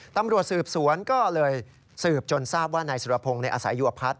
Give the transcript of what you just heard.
ตำรวจสืบสวนก็เลยสืบจนทราบว่านายสุรพงศ์อาศัยอยู่อพัฒน